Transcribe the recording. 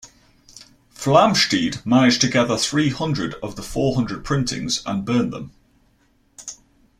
Flamsteed managed to gather three hundred of the four hundred printings and burned them.